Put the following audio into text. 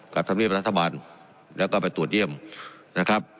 ธรรมเนียบรัฐบาลแล้วก็ไปตรวจเยี่ยมนะครับ